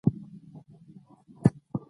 مور د ماشومانو د رواني ستونزو په اړه مرسته کوي.